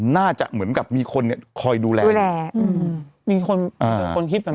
น่าจะเหมือนกับมีคนเนี่ยคอยดูแลดูแลอืมมีคนอ่ามีคนคิดต่าง